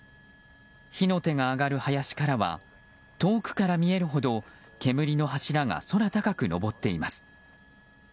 火の手が上がる林からは遠くから見えるほど、煙の柱が空高く上っています。